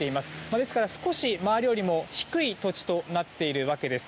ですから、少し周りよりも低い土地となっているわけです。